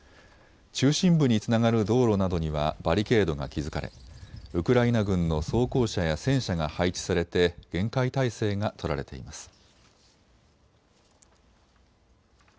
中心部につながる道路などにはバリケードが築かれウクライナ軍の装甲車や戦車が配置されて厳戒態勢が取られています。